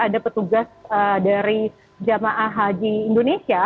ada petugas dari jamaah haji indonesia